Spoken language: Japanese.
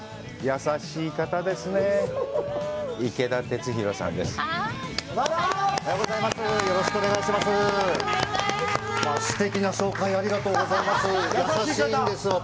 優しいんです、私。